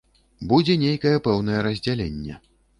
Будзе нейкае пэўнае раздзяленне.